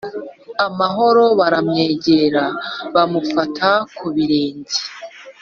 amahoro Baramwegera bamufata ku birenge